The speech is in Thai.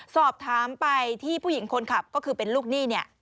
สอบถามไปที่ผู้หญิงคนขับก็คือเป็นลูกหนี้เนี่ย